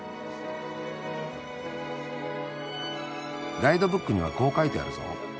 ガイドブックにはこう書いてあるぞ。